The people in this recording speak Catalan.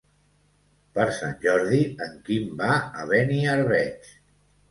Per Sant Jordi en Quim va a Beniarbeig.